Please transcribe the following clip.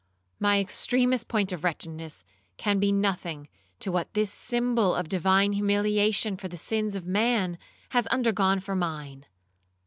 My extremest point of wretchedness can be nothing to what this symbol of divine humiliation for the sins of man, has undergone for mine!'